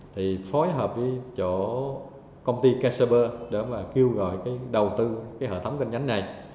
thì phối hợp với chỗ công ty casper để mà kêu gọi đầu tư hệ thống kênh nhánh này